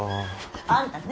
あんたね